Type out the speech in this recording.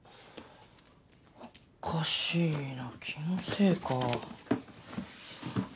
おかしいな気のせいか。